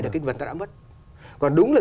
được cái vật ta đã mất còn đúng là